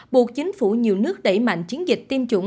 bộ chính phủ nhiều nước đẩy mặt